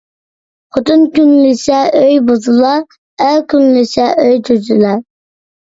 خوتۇن كۈنلىسە ئۆي بۇزۇلار، ئەر كۈنلىسە ئۆي تۈزۈلەر